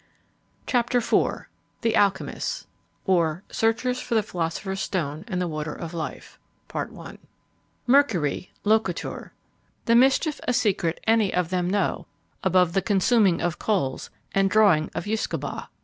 THE ALCHYMISTS; or Searchers for the Philosopher's Stone and the Water of Life. Mercury (loquitur). The mischief a secret any of them know, above the consuming of coals and drawing of usquebaugh!